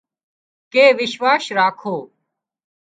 ڪي وشواس راکو